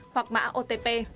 hoặc mã otp